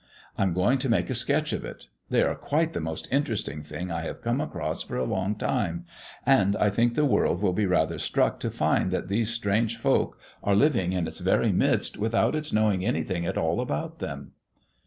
I'm going to make a sketch of it. They are quite the most interesting thing I have come across for a long time, and I think the world will be rather struck to find that these strange folk are living in its very midst without its knowing anything at all about them."